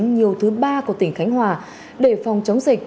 nhiều thứ ba của tỉnh khánh hòa để phòng chống dịch